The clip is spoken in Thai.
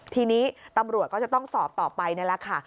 ทีนี้ตำรวจก็จะต้องสอบต่อไปนี่แหละค่ะ